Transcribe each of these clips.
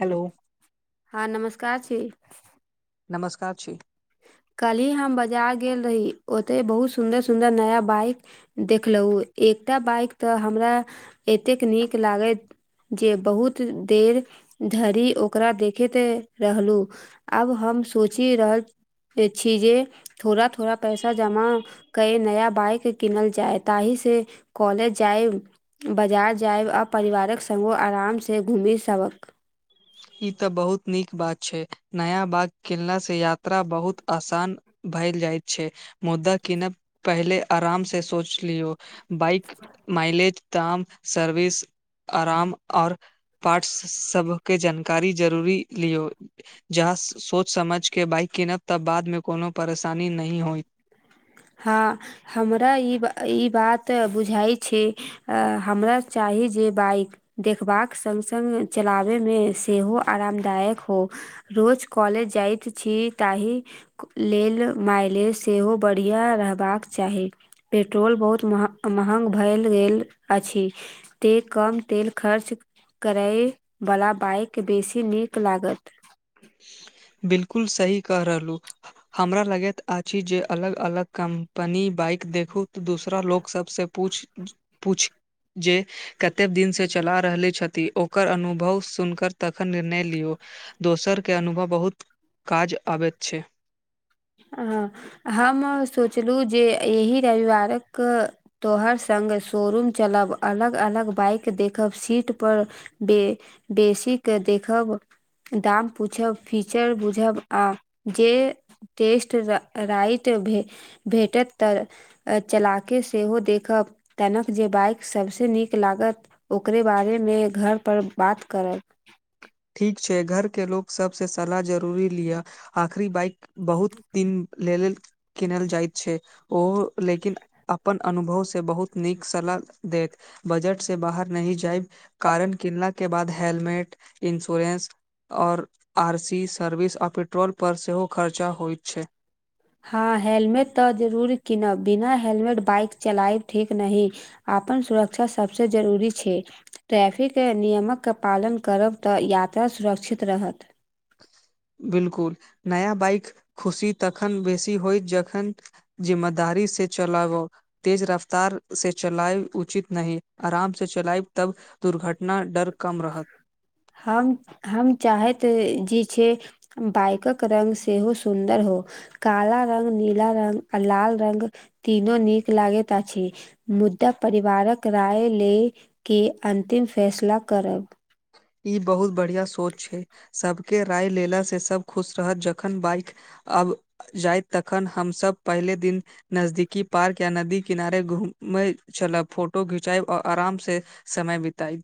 Hello. ह नमस्कार छी नमस्कार छै कल्हि हम बाजार गेल रही ओते बहुत सुंदर सुदर नया बाइ देखलहु एकटा बाइक त हमरा एतेक नीक लागैत जे बहुत देर धरि ओकरा देखैत रहलु आब हम सोचि रहल छी जे। थोड़ा थोड़ा पैसा जमा कए नया बाइक किनल जाय ताहि से कॉलेज जायब बाजार जायब आ परिवारक संग आराम से घूमि सभ ई तऽ बहुत नीक बात छै नया बाग खेलनासँ यात्रा बहुत आसान भइल जाइत छै मुद्दा कीनब पहिले आरामसे सोच लियौ बाइक मइलज ताम सर्विस आराम और पार्ट्स सभ के जानकारी जरूरी लियो। जहा सोच समझ के बाइक किनब तब बादमे कोनो परेशानी नहि होइ हँ हमरा ई बात बुझाइ छै हमरा चाही जे बाइक देखबाक संघ संघ चलाबेमे सेहो आरामदायक हो रोज कॉलेज जाइत छी ताहि लेल माइलेज सेहो बढ़िया रहबाक चाही पेट्रोल बहुत मह महग भए गेल अछि ते कम तेल खर्च करैवला बाइक बेसी नीक लागत बिलकुल सही कह रहलू हमरा लगैत अछि जे अलग अलग कम्पनी बाइक देखू तऽ दोसरा लोक सबसँ पूछ पूछ जे कते दिनसे चला रहले छथि ओकर अनुभव सुन कर तखन निर्णय लियौ दोसर केँ अनुभव बहुत काज आबैत छै हँ हम सोचलहुँ जे एहि रविवारक तोहर संग शोरूम चलब अलग अलग बाइक देखब सीट पर बे बेसी केँ देखब दाम पुछब फीचर बुझब आ जे टेस्ट राइट भे भेटत तऽ चला केँ सेहो देखब तनक जे बाइक सबसे नीक लागत ओकरे बारेमे घर पर बात करब ठीक छै घर केँ लोग सबसे सलाह जरूरी लिअ आखरी बाइक बहुत दिन लेऽ लेल किनल जाइत छै ओ लेकिन अपन अनुभव से बहुत नीक सलाह देत बजट से बाहर नहि जाइब कारण किनला केँ बाद हेलमेट इन्श्योरेंस और आर सी सर्विस आ पेट्रोल पर सेहो खर्चा होइत छै हँ हेलमेट तऽ जरूर कीनब बिना हेलमेट बाइक चलायब ठीक नही आपन सुरक्षा सबसे जरूरी छै ट्रैफिक नियमक पालन करब तऽ यात्रा सुरक्षित रहत बिलकुल नया बइक खुशी तखन बेसी होइ जखन जिम्मेदारी से चलाबौ तेज रफ्तार से चलाई उचित नहि आराम से चलाईब तब दुर्घटना डर कम रहत हम हम चाहैत जी छै बाइकक रंग सेहो सुन्दर हो काल रंग नीला रंग आ लाल रंग तीनो नीक लागैत अछि मुद्दा परिवारक राय ले केँ अंतिम फैसला करब ई बहुत बढ़िया सोच छै सबकेँ राय लेला से सब खुश रहत जखन बाइक आब जाय तखन हमसब पहिले दिन नजदिकी पार्क या नदी किनारे घूममै चलब फोटो घिचाई और आराम से समय बीताइब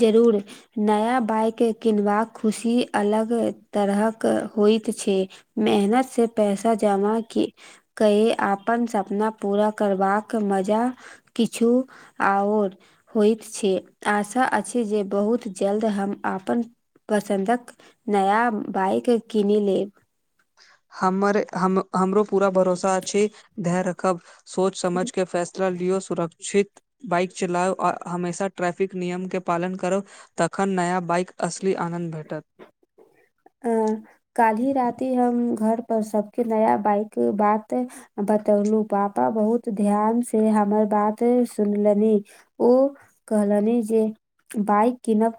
जरूर नया बाइक किनबाका खुशी अलग तरहक होइत छै मेहनत से पैसा जमा कि [unintelligible] अपन सपना पूरा करबाक मजा किछ किछु आओर होइत छै हमरा अछि जे बहुत जल्द हम आपन पसन्दक नया बाइक कीनि लेब हमर हम हमरो पूरा भरोसा अछि धर्य रखब सोच समझ केँ फैसला लियौ सुरक्षित बाइक चलाओ आ हमेशा ट्रैफिक नियम के पालन करो तखन नया बाइक असली आनन्द भेटत अ काल्हि राति हम घर पर सबके नया बाइक बात बतयलू बहुत पापा ध्यान से हमर बात सुनलनि ओ कहलनि जे बाइक कीनब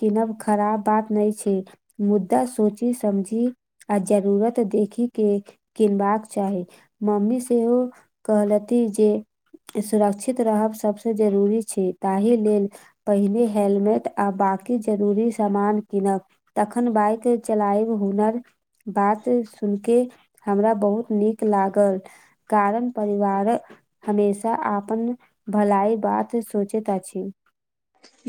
कीनब खराब बात नइ छै मुद्दा सोची समझी आ जरूरत देखी के किनबाक चाही मम्मी सेहो कहलती जे सुरक्षित रहब सभसँ जरूरी छै ताहि लैल पहिने हेलमेट आ बाकी जरूरी सामान किनब तखन बाइक चलाय हुनर बात सुन के हमरा बहुत नीक लागल कारण परिबार हमेशा आपन भलाई बात सोचैत अछि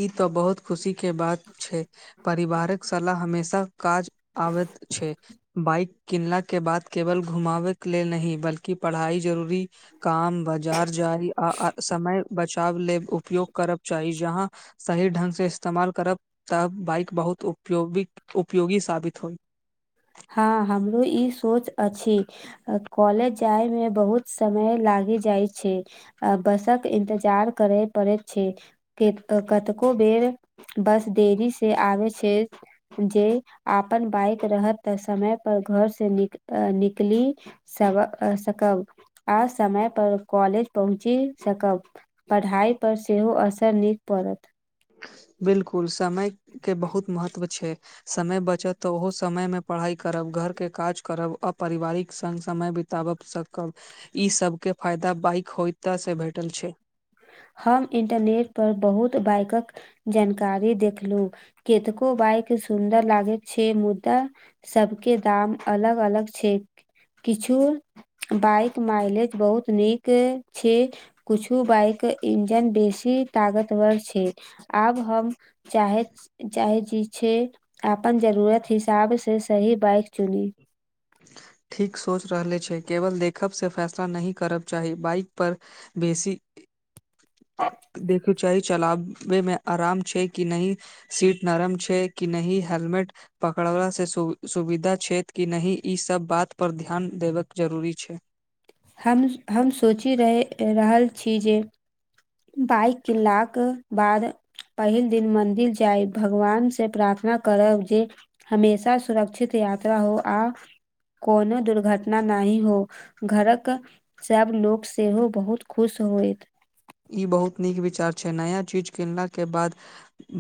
ई तऽ बहुत खुशी के बात छै परिवारक सलाह हमेशा काज आैत छैबाइक किनला के बाद केवल घुमाबै के लेल नहि बल्कि पढ़ाई जरूरी काम बाजार जाइ आ समय बचाव ल उपयोग करब चाही जहा सही ढ्ंग से इस्तेमाल करब तब बाइक बहुत उपयोगी उपयोगी साबित होइ हँ हमरो ई सोच अछि कॉलेज जाय मे बहुत समय लागि जाइ छै बसक इन्तजार करै पड़ैत छै के कतको बेर बस देरी से आबै छै जे अपन बाइक रहत तऽ समय पर घर से न निकली सकब आ समय पर कॉलेज पहुँची सकब पढ़ाइप सेहो असर निक पड़त बिलकुल समय के बहुत महत्व छै समय बचत तऽ ओहो समय मे पढ़ाई करब घर के काज करब आ पारिवारिक संग समय ब ब स कब ई सब के फायदा बाइक होय से भेटल छै हम इंटरनेट पर बहुत बाइकक जानकारी देखलू केतको बाइक सुन्दर लागैत छै मुदा सबके दाम अलग अलग छै किछु बाइक माइलेज बहुत नीक छै कुछु बाइक इंजन बेसी तागतवर छै आब हम चाहैत चाहे जे छै अपन जरूरत हिसाब से सही बाइक चुनी ठीक सोच रहले छै केवल देखब से फैसला नहि करब चाही बाइक पर बेसी आँ देखू चाही चलाबे मे आराम छै कि नहि सीट नरम छै कि नह हेलमेट पकड़ला से सु सुविधा छै कि नहिह ई सब बात पर ध्यान देबे जरूरी छै हम हम सोचि रहि रहल छीय जे बाइक कीन्लाक बाद पहिल दिन मंन्दिर जाय भगवान से प्रार्थना करब जे हमेशा सुरक्षित यात्रा हो आ कोनो दुर्घटना नहि हो घरकऽ सभ लोकोग सेहो बहुत खुश होयत ई बहुत नीक विचार छै नया चीज किनला के बाद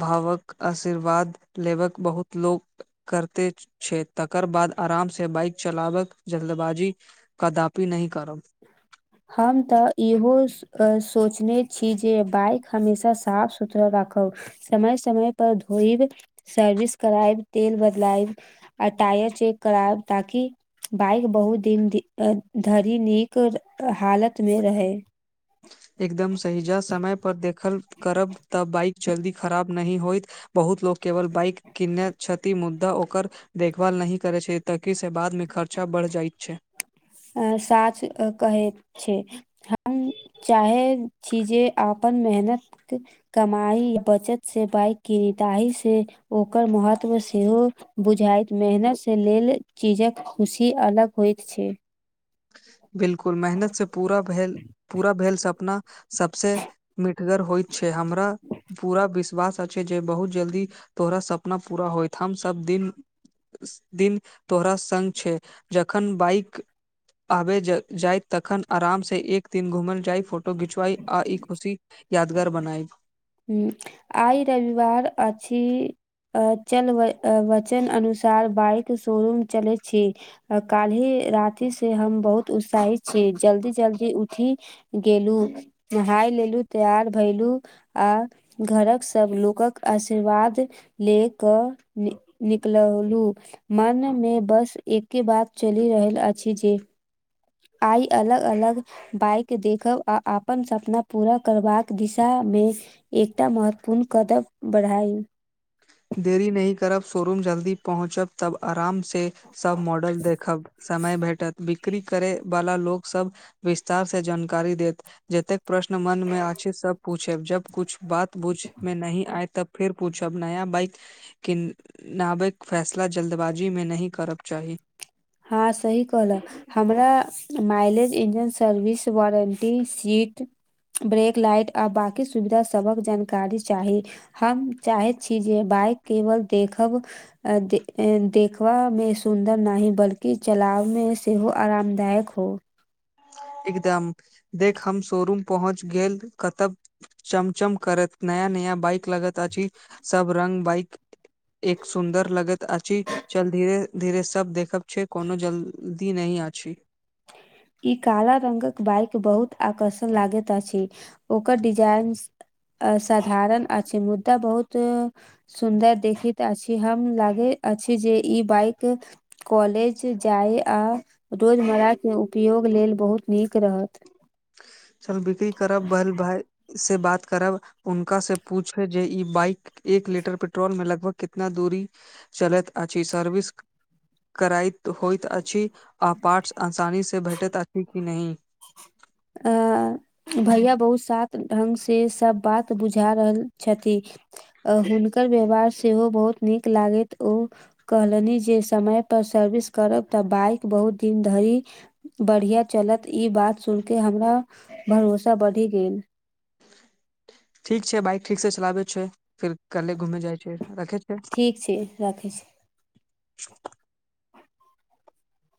भावक आशीर्वाद लेब कऽ बहुत लोक करते छै तकर बाद आरामसँ बाइक चलाबक जल्दबाजी कदापि नहि करब हम त इहो सोचने छी जे बाइक हमेशा साफ सुथरा राखब समय समय पर धोइब सर्विस करायब तेल बदला यब टायर चेक करायब ताकि बाइक बहुत दिन धरि नीक हालत मे रहै एकदम सहिजा समय पर देखलऽ करब तब बाइक जल्दी खराब नहि होइत बहुत लोक केवल बाइक किने क्षति मुद्दा ओकर देखभाल नहि करै छै, तकि से बादमे खर्चा बढ़ जाइत छै आ साच कहै छै हम चाहे चीजे अपन मेहनत कमाई बचत से बाइक करदाही से ओकर महत्व सेहो बुझाइत मेहनत से लेलऽ चीजक खुशी अलग होइत छै बिल्कूल मेहनत से पूरा भेल पूरा भेल सपना सभसे मिठगर होइत छै, हमरा पूरा विश्वास अछि जे बहुत जल्दी तोरा सपना पूरा होयत हम सभ दिन। दिन तोहरा सँ छै जखन बाइक आबे जाय तखन आरामसे एक दिन घूमल जाय फोटो घिचवई आ ई खुशी यादगार बनाइ। हु, आइ रविवार अछि अचल वचन अनुसार बाइक शोरूम चलै छै। काल्हि रातिसँ हम बहुत उत्साहित छी जल्दी जल्दी उठी गेलु नहाय लेलु तैयार भलु आ घरक सभ लोक कऽ आशीर्वाद ले कऽ निकलू मनमे बस एके बात चलि रहल अछि जे आइ अलग अलग। बाइक देखब आ अपन सपना पूरा करबा कऽ दिशा मे एकटा महत्वपूर्ण कदम बढ़ाई। देरी नहि करब शोरूम जल्दी पहुँचब तब आरामसँ सभ मॉडल देखब समय भेटत ब नोकरी करे वाला लोकोग सभ विस्तार से जानकारी देत जतेक प्रश्न मन मे आ छै सभ पूछे जब कुछ बात बूझ मे नहि आय तब फेर पूछ अपना बाइक केनाबिक फैसला जल्दबाजीमे नहि करब चाही ह सही कहल हमरा mileage engine service warranty seat brake light आ बाकी सुविधा सभक जानकारी चाही हम चाहैत छै जे बाइक केवल देखब देखबा मे सुन्दर नहि बल्कि के चलाबमे सेहो आरामदायक हो एकदम देख हम शोरूम पहुँच गेल कतब चमचम करत नया नया बइक लगत अछि सब रंग बाइक एक सुन्दर लगत अछि चल धीरे धीरे सब देखब छै कोनो जल्दी नहि अछि ई काला रंगक बाइक बहुत आकर्षक लागेता अछि ओकर डिजाइन अऽ सधारण अछि मुद्दा बहुत सुन्दर देखैत अछि हम लागे अछि जे ई बाइक कॉलेज जाय आ रोजमर्राके उपयोग लेल बहुत नीक रहत चल बिक्री करब बैल भाय से बात करब उनका से पूछे जे ई बाइक एक लीटर पेट्रोल मे लगभग कितना दूरी चलैत अ अछिी सर्विस करइत होइत अछि आ पार्ट्स आसानी से भेटैत अछि कि नही आ [unintelligible] भैया बहुत साथ ढंग से सब बात बुझा रहल छथि अ हुनकर व्यवहार सेहो बहुत नीक लागैत ओ कहलनि जे समय पर सर्विस करब तऽ बाइक बहुत दिन धरि बढ़िया चलत ई बात सुन के हमरा भरोसा बढ़ि गेल ठीक छै बाइक ठीक से चलाबे छ फिर कले घुमे जाय छै राखे छै ठीक छै राखै छी [inaudible]